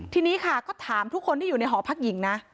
ทีนี้ค่ะก็ถามทุกคนที่อยู่ในหอพักหญิงนะ